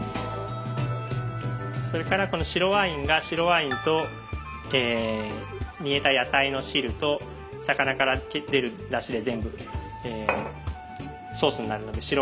それからこの白ワインが白ワインと煮えた野菜の汁と魚から出るだしで全部ソースになるので白ワインたっぷりと。